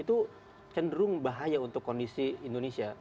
itu cenderung bahaya untuk kondisi indonesia